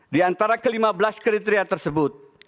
di antara kelima belas kriteria tersebut